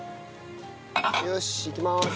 よしいきます。